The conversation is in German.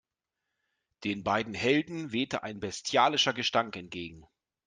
Den beiden Helden wehte ein bestialischer Gestank entgegen.